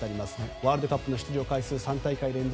ワールドカップの出場回数３大会連続